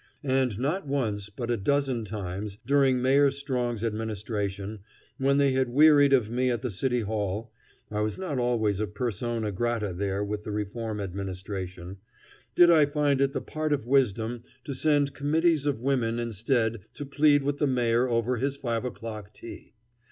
And not once but a dozen times, during Mayor Strong's administration, when they had wearied of me at the City Hall I was not always persona grata there with the reform administration did I find it the part of wisdom to send committees of women instead to plead with the Mayor over his five o'clock tea.